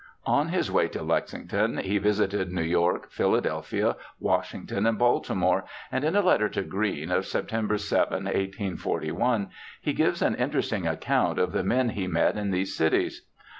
^ On his way to Lexington he visited New York, Philadelphia, Washington, and Balti more, and in a letter to Green, of September 7, 1841, he gives an interesting account of the men he met in these cities.